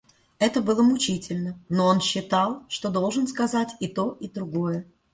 Это было мучительно, но он считал, что должен сказать и то и другое.